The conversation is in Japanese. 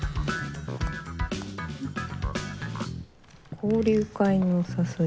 「交流会のお誘い♥」